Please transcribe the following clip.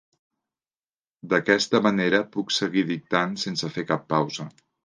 D'aquesta manera puc seguir dictant sense fer cap pausa.